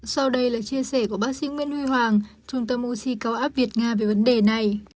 sau đây là chia sẻ của bác sĩ nguyễn huy hoàng trung tâm oxy cao áp việt nga về vấn đề này